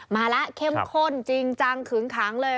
มาแล้วเข้มข้นจริงจังขึงขังเลย